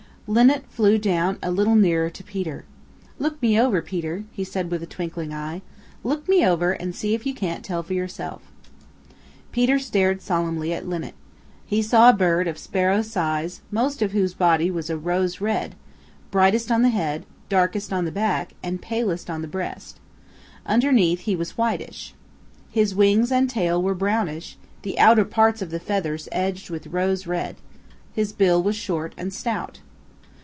Linnet flew down a little nearer to Peter. "Look me over, Peter," said he with twinkling eyes. "Look me over and see if you can't tell for yourself." Peter stared solemnly at Linnet. He saw a bird of Sparrow size most of whose body was a rose red, brightest on the head, darkest on the back, and palest on the breast. Underneath he was whitish. His wings and tail were brownish, the outer parts of the feathers edged with rose red. His bill was short and stout.